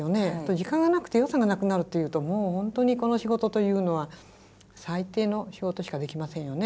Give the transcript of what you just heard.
時間がなくて予算がなくなるというともう本当にこの仕事というのは最低の仕事しかできませんよね。